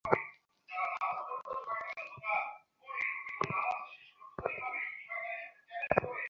এ নীতিমালা অনুসরণ করে হাতে গোনা কয়েকটি প্রতিষ্ঠান, অধিকাংশই করে না।